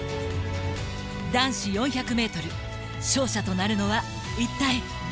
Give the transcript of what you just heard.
男子４００ｍ勝者となるのは一体誰だ！